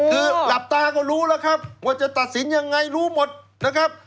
คือหลับตาก็รู้แล้วครับว่าจะตัดสินยังไงรู้หมดนะครับ